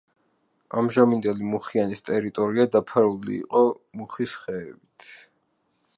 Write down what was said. ამჟამინდელი მუხიანის ტერიტორია დაფარული იყო მუხის ხეებით.